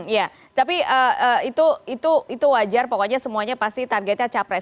iya tapi itu wajar pokoknya semuanya pasti targetnya capres